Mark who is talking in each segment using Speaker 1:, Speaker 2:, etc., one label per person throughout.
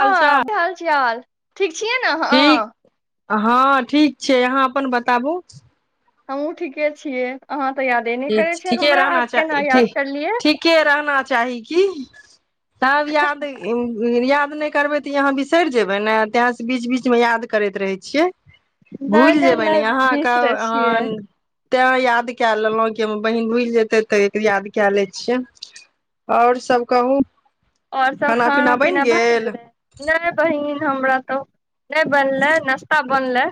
Speaker 1: हाल
Speaker 2: हँ
Speaker 1: चाल
Speaker 2: भेल छै हाल ठीक छियै ने अहाँ
Speaker 1: ठीक हँ ठीक छै अहाँ अपन बताबु
Speaker 2: हमहूँ ठीके छियै अहाँ तऽ यादे नहि
Speaker 1: ठीक
Speaker 2: करै
Speaker 1: छै
Speaker 2: छियै
Speaker 1: ठीके
Speaker 2: हमरा आज
Speaker 1: रहना
Speaker 2: केना याद
Speaker 1: चाही
Speaker 2: करलियै
Speaker 1: ठीके रहना चाही की तब याद ऐं याद नहि करबे तऽ अहाँ बिसरि जेबै नें तैं स बीच बीचमे याद करैत रहै छियै
Speaker 2: नहि
Speaker 1: भुलि
Speaker 2: नहि
Speaker 1: जेयबै ने
Speaker 2: नहि
Speaker 1: अहाँके
Speaker 2: बिसरे छियै
Speaker 1: अहाँ तैं याद काए लेलहूँ के हमर बहिन भुलि जेतै तऽ याद काए लै छियै आओर सब कहू
Speaker 2: आओर सब खाना पीना भए गेलै नहि बहिन हमरा तऽ नहि बनलै नाश्ता बनलै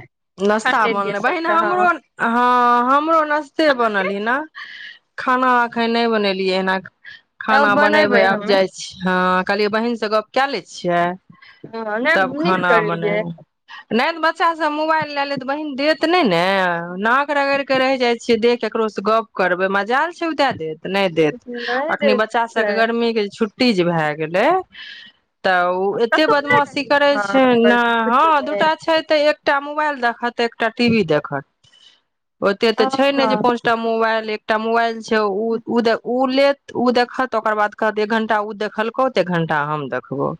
Speaker 1: नाश्ता बनलै बहिन हमरो हँ हमरो नाश्ते
Speaker 2: अहाँके
Speaker 1: बनल ही न खाना अखन नहि बनेलियै हन खाना
Speaker 2: आब
Speaker 1: बनेबै आब
Speaker 2: हमे
Speaker 1: जाइ छी हँ कहलियै बहिन सबके कए लै छियै
Speaker 2: हँ
Speaker 1: तब
Speaker 2: नहि नीक
Speaker 1: खाना बनैब
Speaker 2: करलियै
Speaker 1: नहि तऽ बच्चा सब मोबाइल ला ले बहिन देत नहि ने नाक रगड़ के रहि जाइ छियै दे केकरो से गप करबै मजाल छै उ दै देत नहि देत
Speaker 2: नहि
Speaker 1: अखनी
Speaker 2: दै
Speaker 1: बच्चा
Speaker 2: छै
Speaker 1: सबके गर्मी के छुट्टी तीज भए गेलै तऽ ओ एते
Speaker 2: कतहु नहि
Speaker 1: बदमाशी
Speaker 2: गेलियै
Speaker 1: करै छै
Speaker 2: अहाँ
Speaker 1: ने हँ
Speaker 2: छुट्टीमे
Speaker 1: दूटा छै तऽ एकटा मु- मोबाइल देखत एकटा टी वी देखत ओत तऽ छै ने
Speaker 2: हँ
Speaker 1: जे पाँचटा मोबाइल एक एकटा मोबाल छै उ-उद उ लेत तऽ ओ देखत ओकर बाद कहत एक घण्टा उ देखलकौ तऽ एक घण्टा हम देखबौ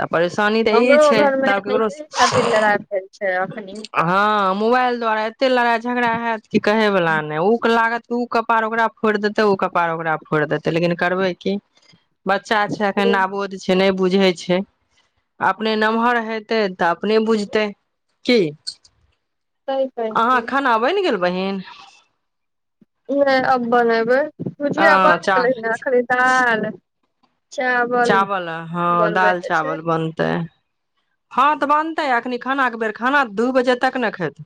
Speaker 1: तब परेशानी तऽ ई
Speaker 2: हमरो
Speaker 1: छै
Speaker 2: घरमे
Speaker 1: तब ककरो
Speaker 2: एहि
Speaker 1: स
Speaker 2: खातिर लड़ाइ भेल छै अखनी
Speaker 1: हँ मोबाइल द्वारा एते लड़ाइ झगड़ा हाएत की कहै वला नहि उ लागत उ कपाड़ ओकरा फोड़ि देते ओ कपाड़ ओकरा फोड़ देतै लेकिन करबै की बच्चा छै एखन
Speaker 2: सही
Speaker 1: अबोद छै नै बुझै छै अपने नमहर हेतै तऽ अपने बुझतै की
Speaker 2: कहै
Speaker 1: अहाँक
Speaker 2: छी।
Speaker 1: खाना बनि गेल बहिन
Speaker 2: नहि अब बनेबै
Speaker 1: अ
Speaker 2: भुजिया बनि
Speaker 1: चा
Speaker 2: गेलै हन एखनी दाल
Speaker 1: चावल हँ
Speaker 2: बनबै
Speaker 1: दाल
Speaker 2: के छै
Speaker 1: चावल बनतै खाना के बेर खाना दू बजे तक ने खेतै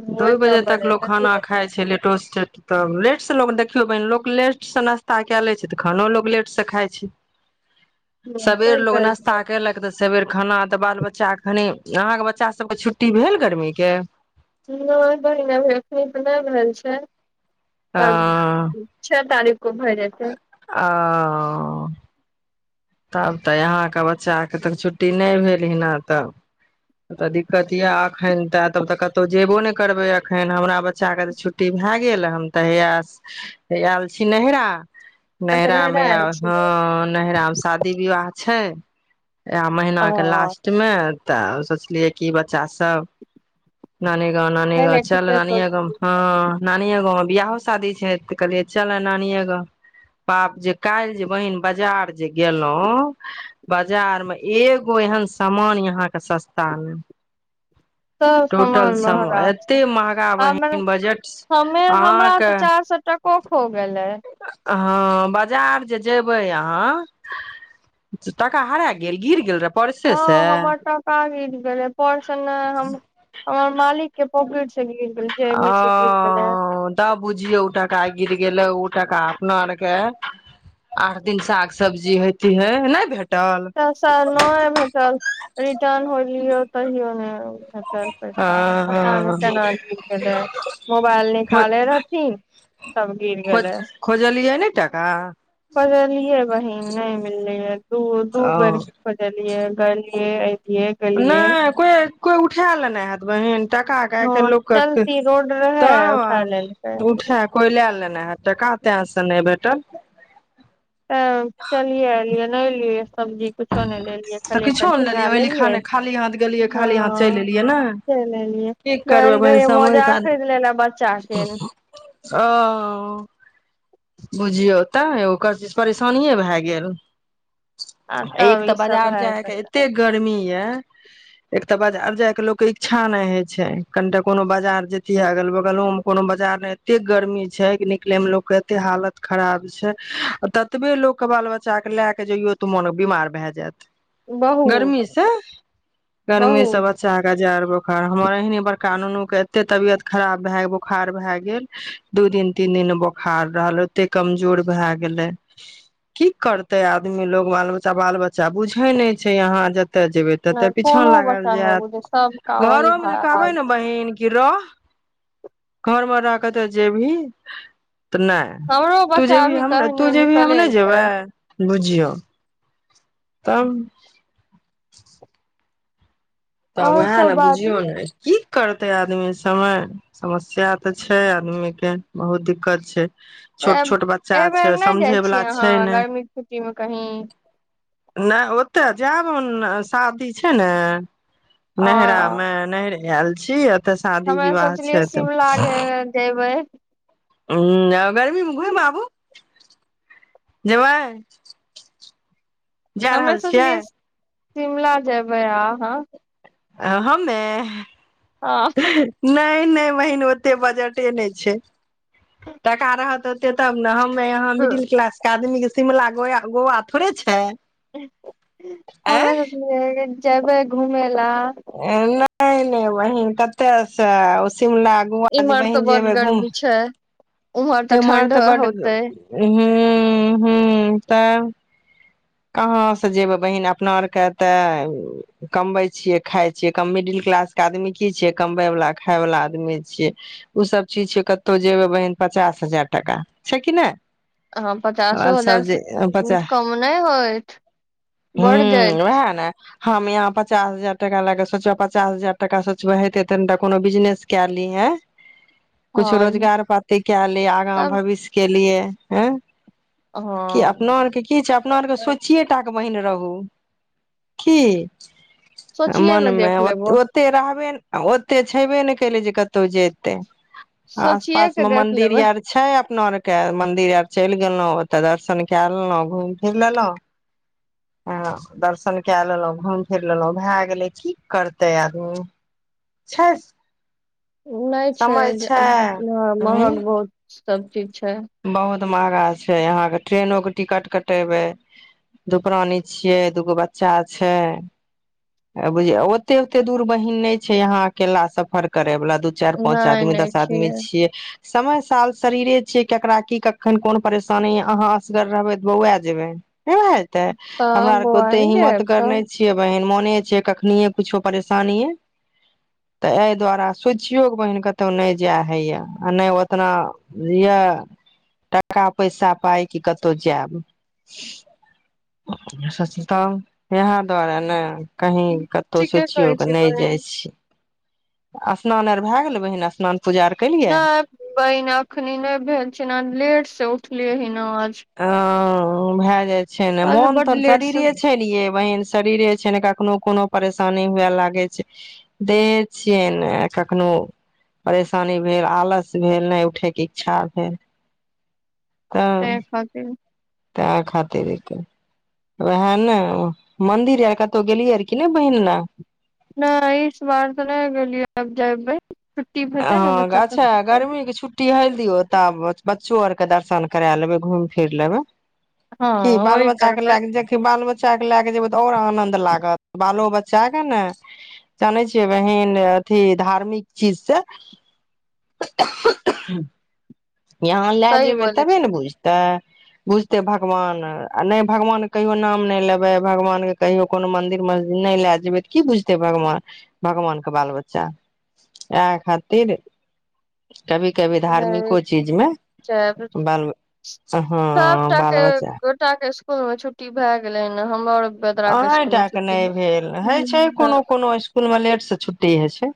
Speaker 2: ओहि
Speaker 1: दू बजे
Speaker 2: तब
Speaker 1: तक लोक
Speaker 2: बनेबै सही
Speaker 1: खाना खाइ छै लेटो सेट तब लेटसँ लोक देखियौ बहिन लोक लेटसँ नास्ता कए लै छै तऽ खानो लोक लेटसँ खाइ छै सबेर लोग
Speaker 2: कहलियै
Speaker 1: नास्ता केलक तऽ सबेर खाना तऽ बाल बच्चा खनि अहाँके बच्चा सबके छुट्टी भेल गर्मी के
Speaker 2: नहि बहिन अभी एखनी तऽ नहि भेल छै
Speaker 1: अ
Speaker 2: पर छे तारीख को भए जेतै
Speaker 1: ओ तब तऽ अहाँके बच्चाकेँ तऽ छुट्टी नहि भेल हँ तऽ तऽ दिक्कत यए एखन तऽ तब तऽ कतहु जेयबो नहि करबै एखन हमरा बच्चाके तऽ छुट्टी भए गेल हम तऽ हय आयल छी नहिरा
Speaker 2: अच्छा
Speaker 1: नैहरा
Speaker 2: नहिरा
Speaker 1: मे
Speaker 2: आयल छियै
Speaker 1: हाँ नैहरा विवाह छै इएह
Speaker 2: ओ
Speaker 1: महीनाके के लास्ट मे तऽ सोचलियै की बात बच्चा सब नानी गांव नानी
Speaker 2: नहि
Speaker 1: गांव
Speaker 2: नहि
Speaker 1: चल
Speaker 2: ठीके
Speaker 1: नानी
Speaker 2: सोचलियै
Speaker 1: गांव नानियै गांव बियाहो शादी छै तऽ कहलियै चल नानिगाँव बाप जे काल्हि जे बहिन बजार जे गेलहुं बाजार मे एगो एहन सामान अहाँ के सस्ता ने
Speaker 2: सभ सामान महँगा छै
Speaker 1: महगा
Speaker 2: हमरा
Speaker 1: बहिन बजट
Speaker 2: हमें हमरा
Speaker 1: अहाँके
Speaker 2: तऽ चारि सौ टको खो गेलै
Speaker 1: हँ बाजार जे जेबै अहाँ टका हरा गेल गिर गेल र
Speaker 2: हँ हमर टका गिर गेलै पर्स नै हमर मालिक के पॉकिट से गिर गेल जेबी से गिर गेलै
Speaker 1: ओ तऽ बुझियौ तऽ टका गिर गेले उ टाका अपना आर के आठ दिन साग सब्जी हेतयै नहि भे-
Speaker 2: तब साह न भेटल रिटर्न होइ ल तहियो तहियो नहि भेटल पैसा पता नहि
Speaker 1: ह
Speaker 2: केना गिर गेलै मोबाइल निकालै रहथिन तब गिर
Speaker 1: खोज
Speaker 2: गेलै
Speaker 1: खोजलियै ने टाका
Speaker 2: खोजलियै बहिन नहि मिललै रहय दू दू
Speaker 1: ओ
Speaker 2: बेर के खोजलियै गेलियै एलियै गेलियै
Speaker 1: नहि कोइ कोइ उठाय लेने हैत बहिन टका के आइ
Speaker 2: हँ
Speaker 1: काल्हि लोकक
Speaker 2: चलती रोड रहै उठा लेलकै
Speaker 1: तऽ उठै कोइ लए लेने हैत टका तेँ से नहि भेटल
Speaker 2: ह चलियै एलियै नेहेलियै सब्जी कुछो नहि लेलियै
Speaker 1: तऽ
Speaker 2: खालि एकटा
Speaker 1: किछो ने
Speaker 2: झींगा
Speaker 1: ओहि लिखा
Speaker 2: लेलियै
Speaker 1: नहि खाली हाथ गेलियै
Speaker 2: हँ
Speaker 1: खाली हाथ चलि एलियै ने
Speaker 2: चलि एलियै
Speaker 1: की करबै
Speaker 2: गैल
Speaker 1: बहिन
Speaker 2: रहियै
Speaker 1: समय
Speaker 2: मोजा खरीद लै ले बच्चा के
Speaker 1: ओ बुझियौ तऽ एगो कहै छी परेशानीये भऽ गेल
Speaker 2: आ तब
Speaker 1: एक
Speaker 2: ई
Speaker 1: तऽ
Speaker 2: सब
Speaker 1: बाजार
Speaker 2: भए
Speaker 1: जायके
Speaker 2: गेल
Speaker 1: एते गर्मी एक तऽ बाजार जाय के लोक के इच्छा नहि होय छै कनिटा कोनो बाजार जेतियै अगल बगलो मे कोनो बाजार एते गर्मी छै निकले मे लोक के एते हालत खराब छै ततबे लोक के बाल बच्चा के लए के जइयो तऽ मोनक बीमार भए जायत
Speaker 2: बहुत
Speaker 1: गर्मी से गर्मी से
Speaker 2: बहुत
Speaker 1: बच्चा के जार बोखार हमर एहने बड़का हुनका नूनू के एते तबियत खराब भए बोखार भए गेल दू दिन तीन दिन बोखार रहल ओते कमजोर भए गेले की करते आदमी लोग बाल बच्चा बाल बच्चा बुझय नहि छै अहाँ कतए जेबै तते
Speaker 2: नहि
Speaker 1: पीछाँ
Speaker 2: कोनो
Speaker 1: लागल
Speaker 2: बच्चा नहि
Speaker 1: जाएत
Speaker 2: बुझे सबका वही
Speaker 1: घरो मे
Speaker 2: भा-
Speaker 1: जे कहबै
Speaker 2: हाल
Speaker 1: ने
Speaker 2: छै
Speaker 1: बहिन की रह घरमे रकेऽ तऽ जेबही तऽ नहि
Speaker 2: हमरो
Speaker 1: तू
Speaker 2: बच्चा
Speaker 1: जेबही
Speaker 2: अभी
Speaker 1: हम तू
Speaker 2: कहने
Speaker 1: जेबही हम
Speaker 2: निकले
Speaker 1: नहि
Speaker 2: छै
Speaker 1: जेबै बुझियौ तब तऽ
Speaker 2: और
Speaker 1: उएह
Speaker 2: सब
Speaker 1: ने
Speaker 2: बात
Speaker 1: बुझियौ ने की की करतै आदमी समय समस्या त छै आदमी के बहुत दिक्कत छै छोट
Speaker 2: तऽ
Speaker 1: छोट बच्चा छै
Speaker 2: एबेर नै जाइ
Speaker 1: समझे वाला
Speaker 2: छियै
Speaker 1: छै
Speaker 2: अहाँ
Speaker 1: ने
Speaker 2: गर्मी के छुट्टीमे कहीं
Speaker 1: नै ओत जाएब न शादी छै न
Speaker 2: आ
Speaker 1: नहिरा मे नहरे आएल छीयै
Speaker 2: हमे सोचलियै शिमला जे जेबै
Speaker 1: हूँ आ गर्मी मे घूमि आबू जेबै जा
Speaker 2: हमे
Speaker 1: रहल छियै
Speaker 2: सोचलियै शिमला जेबै आ अहाँ
Speaker 1: आ हमे
Speaker 2: हँ
Speaker 1: नै नै बहिन ओते बजटे नै छै टका रहत ओते तब नै हम मे अहाँ मिडिल क्लास के आदमी के शिमला गोया गौवा थोड़े छै आँय
Speaker 2: हमे सोचलिए की जयबै घुमेला
Speaker 1: नै नै बहिन कतै से शिमला गौआ जे
Speaker 2: इम्हर
Speaker 1: बहिन
Speaker 2: तऽ बड
Speaker 1: जेबै घुम
Speaker 2: गर्मी छै उम्हर
Speaker 1: इम्हर
Speaker 2: ठंड
Speaker 1: तऽ बड
Speaker 2: होते
Speaker 1: हु हु हु तब कहाँ से जएबै बहिन अपना आरके तऽ कमबै छियै खाय छियै मिडिल क्लासके आदमी की छियै कमबयवला खायवला आदमी छियै उ सब चीज छियै कतो जएबै बहिन पचास हजार टका छै कि नै
Speaker 2: ह पचासो हजार से
Speaker 1: पचास
Speaker 2: कम नै होअ इत बढ़
Speaker 1: हूं वएह
Speaker 2: जायत
Speaker 1: ने हम यहाँ पचास हजार टाका लए कऽ सोचबै पचास हजार टाका सोचबै हेते तनिटा कोनो बिजनेस कै ली हें कुछो
Speaker 2: हँ
Speaker 1: रोजगार पाती कै लियै आगां
Speaker 2: तब
Speaker 1: भविष्य के लिए [unintelligible] की
Speaker 2: हँ
Speaker 1: अपना आर के की छै अपना आर के सु छियैटा के बहिन रहू की
Speaker 2: सोचिये मे
Speaker 1: मनमे
Speaker 2: देख
Speaker 1: ओत
Speaker 2: लेबो
Speaker 1: ओते रहबै नै आ ओते छेबै नै केलै जे कतो जेतै आस
Speaker 2: सोचिये
Speaker 1: पास
Speaker 2: के
Speaker 1: मे
Speaker 2: देख
Speaker 1: मंदिर
Speaker 2: लेबै
Speaker 1: आर छै अप अपनो आर के मंदिर आर चलि गेलों ओतऽ दर्शन कै लेलों घुम फिर लेलौं हां दर्शन कै लेलौं घूम फिर लेलौं भए गेलै की करतै आदमी छै स
Speaker 2: नै छै
Speaker 1: ह
Speaker 2: महग बहुत सब ठीक छै
Speaker 1: त महगा छै यहां के ट्रेनो के टिकट कटेबे दू प्राणी छिये दूगो बच्चा छै बुझिय ओते ओते दूर बहिन नहि छै यहाँ अकेला सफर करे वाला दू चारि पाँच
Speaker 2: नहि
Speaker 1: आदमी
Speaker 2: नहि
Speaker 1: दस आदमी छियै समय साल शरीरे छै केकरा की कखन कोन परेशानी अहाँ असगर रहबै तऽ बौए जेबै हेते
Speaker 2: तऽ
Speaker 1: हमरा आर के
Speaker 2: बौआ
Speaker 1: ओते
Speaker 2: ने
Speaker 1: हिम्मत
Speaker 2: जायब
Speaker 1: करने
Speaker 2: तब
Speaker 1: छियै बहिन मोन कखने कुछो परेशानी तऽ एहि दुआरे सोचियौ के बहिन कतौ नहि जाय हइ यै आ नहि ओतना यै टाका पैसा पाइ कि कतहु जायब सोचतहु इहै दुआरे ने कहीँ कतहु
Speaker 2: ठीके
Speaker 1: सोचियौ
Speaker 2: कहै
Speaker 1: कऽ
Speaker 2: छी
Speaker 1: नहि जाइ
Speaker 2: बहिन
Speaker 1: छियै स्नान आर भए गेलै बहिन स्नान पूजा आर केलियै
Speaker 2: नहि बहिन एखनी नहि भेल छै ने लेट से उठलियै हीं
Speaker 1: ओ ओ भए जाइ छै ने
Speaker 2: आज
Speaker 1: मोन
Speaker 2: बड
Speaker 1: तहन
Speaker 2: लेट से
Speaker 1: शरीरे
Speaker 2: उठते
Speaker 1: छै ने यै बहिन शरीरे छै ने कखनो कोनो परेशानी हुए लागै छै देहे छियै ने कखनो परेशानी भेल आलस भेल नहि उठयके इच्छा भेल
Speaker 2: तऽ एहि खातिर
Speaker 1: तै खातिर उएह ने मन्दिर आर कतहु गेलियै आर की ने बहिन
Speaker 2: नहि इस बार तऽ नहि गेललियै अब जायबै
Speaker 1: ह अच्छा गर्मी के छुट्टी हइ दियौ तब बच्चो आर के दर्शन करा लेबै घुमि फिर लेबै
Speaker 2: हँ
Speaker 1: की बाल
Speaker 2: ओहि
Speaker 1: बच्चा के
Speaker 2: करबै
Speaker 1: लएके देख बाल बच्चा के लएके जेबै तऽ आओर आनंद लागत बालो बच्चाे ने जानै छियै बहिन अथि धार्मिक चीज से [unintelligible] इहाँ लए
Speaker 2: सही
Speaker 1: जेबै
Speaker 2: बोलै
Speaker 1: तबे
Speaker 2: छै
Speaker 1: ने बुझतै बुझतै भगवान आ नहि भगवानके कहियौ नाम नहि लेबै भगवानके कहियौ कोनो मन्दिर मस्जिद नहि लए जेबै तऽ की बुझतै भगवान भगवानके बाल बच्चा इएह खातिर [unintelligible] कभी कभी धार्मिको चीजमे बाल हँ बाल बच्चा
Speaker 2: इस्कूल मे छट्टी भए गेलेै ने हमर बेदरा के
Speaker 1: अहीं
Speaker 2: स्कूल में
Speaker 1: टाके
Speaker 2: छुट्टी
Speaker 1: नहि भेल होइ छै कोनो
Speaker 2: ह
Speaker 1: कोनो इस्कूल मे लेटसँ छुट्टी छुट्टी होइ छै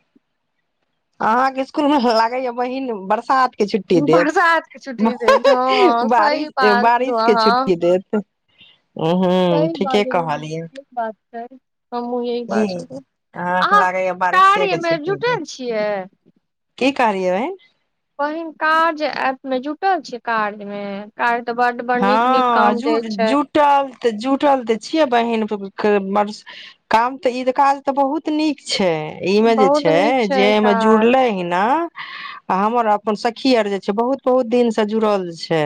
Speaker 1: अहाँ के इस्कूल मे लागै या बहिन बरसात के छुट्टी देत
Speaker 2: बरसात के छुट्टी देत हँ सही
Speaker 1: बारिश
Speaker 2: बाजलू
Speaker 1: बारिश के
Speaker 2: अहाँ
Speaker 1: छुट्टी देत उ हूँ
Speaker 2: सही
Speaker 1: ठीके
Speaker 2: बाजलू
Speaker 1: कहलियै
Speaker 2: बात छै हमहूँ यही
Speaker 1: की
Speaker 2: बात
Speaker 1: के
Speaker 2: अहाँ
Speaker 1: लागैया बारिशे के
Speaker 2: कार्यमे
Speaker 1: छुट्टी देत
Speaker 2: जुटल छियै
Speaker 1: की कहलियै
Speaker 2: बहिन काज ऐप मे जुटल छियै कार्य मे कार्य तऽ बड बड़ नीक नीक
Speaker 1: हँ
Speaker 2: काम दै छै
Speaker 1: जुड़-जुटल तऽ जुटल तऽ छियै बहिन [unintelligible] काम तऽ ई काज तऽ बहुत नीक छै इ मे जे
Speaker 2: बहुत
Speaker 1: छै
Speaker 2: नीक
Speaker 1: जे एहिमे
Speaker 2: काज
Speaker 1: जुड़ले हइ ना आ हमर अपन सखी आर जे छै बहुत बहुत दिनसँ जुड़ल छै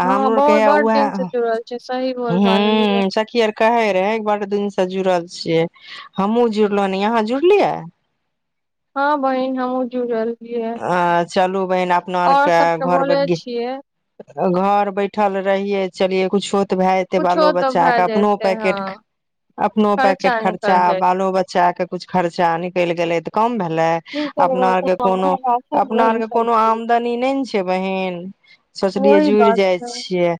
Speaker 1: आ
Speaker 2: हँ
Speaker 1: हमरो आरके
Speaker 2: बहुत बड दिन से
Speaker 1: उएह
Speaker 2: जुड़ल छै सही बोल बाजलियै
Speaker 1: हूँ सखी आर कहै रहै बड्ड दिन सँ जुड़ल छियै हमहूँ जुड़लहूँ हन अहाँ जुड़लियै
Speaker 2: हाँ बहिन हम हमहूँ जुड़ल हियै
Speaker 1: [unintelligible] चलू बहिन अपना आर
Speaker 2: और
Speaker 1: के
Speaker 2: सबके
Speaker 1: घर
Speaker 2: बोले
Speaker 1: बड्डी
Speaker 2: छियै
Speaker 1: घर बैठल रहियै चलिये कुछो तऽ भए जेतै बालो
Speaker 2: कुछो तऽ
Speaker 1: बच्चा
Speaker 2: भए
Speaker 1: के अपनो
Speaker 2: जेतै हँ
Speaker 1: पैकेट अपनो पैकेट खर्चा
Speaker 2: निकल जाय
Speaker 1: बालो बच्चाके कुछ खर्चा निकलि गेलै तऽ कम भए लाए
Speaker 2: की
Speaker 1: अपना आरके कोनो
Speaker 2: करबै
Speaker 1: अपना आरके कोनो आमदनी नहि ने छै बहिन सोचलियै
Speaker 2: ओहि
Speaker 1: जुड़ि
Speaker 2: बात
Speaker 1: जाइ
Speaker 2: छै
Speaker 1: छियै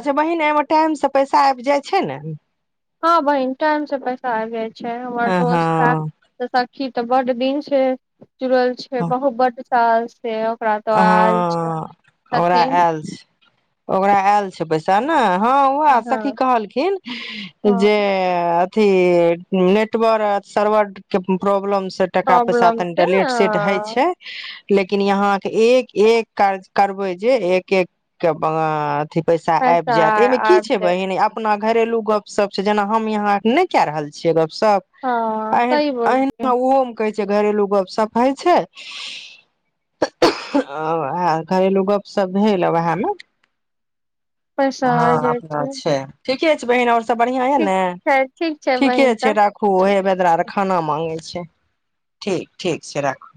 Speaker 1: अच्छा बहिन एहिमे टाइमसँ पैसा आबि जाइ छै ने
Speaker 2: हँ बहिन टाइम से पैसा आबि जाय छै हमर
Speaker 1: हँ
Speaker 2: दोस्त
Speaker 1: हँ
Speaker 2: छी तऽ बड्ड दिन से जुड़ल छै बहुत बड्ड त
Speaker 1: हँ ओकरा
Speaker 2: छथिन
Speaker 1: आयल छै ओकरा आयल छै पैस त नइ हँ उह सखी
Speaker 2: हँ
Speaker 1: कहलखिन
Speaker 2: हँ
Speaker 1: जे से नेटवर् सर्वर के प्रॉब्लम टाका पैसा
Speaker 2: प्रॉब्लम छै
Speaker 1: तनिटा लेट सेेट होइ
Speaker 2: हँ
Speaker 1: छै लेकिन यहाँ तऽ एक एक काराज करबै जे एक एक के ब पैसा आबि जायत एहिमे की
Speaker 2: आबि
Speaker 1: छै
Speaker 2: जायत
Speaker 1: बहिन अपना घरेलू गपशप छै जेना हम अहाँ नहि के रहल छीयै गप सब
Speaker 2: हँ
Speaker 1: ए
Speaker 2: सही बोललियै
Speaker 1: अना उहो मे कह घरेलू गप-सप होइ छै ओ आ घरेलू गपशप भेल आ उएहने
Speaker 2: पैसा आ जाइ छै
Speaker 1: ठीके छै बहिन ओर सब बढ़िया यै न
Speaker 2: ठीक छै ठीक छै
Speaker 1: ठीके
Speaker 2: बहिन
Speaker 1: छै
Speaker 2: तब
Speaker 1: राखु उहे ब खाना मागै छै ठीक ठीक छै राखू